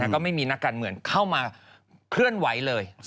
ก็ไม่มีนักการเมืองเข้ามาเคลื่อนไหวเลย